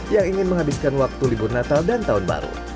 yang ingin menghabiskan waktu libur natal dan tahun baru